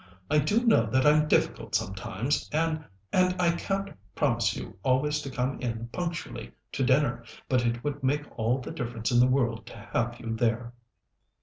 I do know that I'm difficult sometimes, and and I can't promise you always to come in punctually to dinner, but it would make all the difference in the world to have you there."